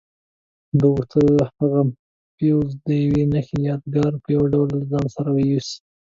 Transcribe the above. ده غوښتل هغه فیوز د یوې ښې یادګار په ډول له ځان سره یوسي.